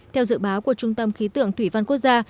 theo dự báo của trung tâm khí tượng thủy văn quốc gia